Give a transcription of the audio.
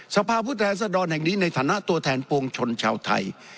สภาพผู้แทนสดรแห่งนี้ในฐานะตัวแทนปวงชนชาวไทย